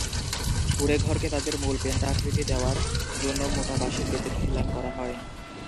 কুঁড়েঘরকে তার মূল পেন্ট আকৃতি দেওয়ার জন্য মোটা বাঁশের বেতের খিলান করা হয়।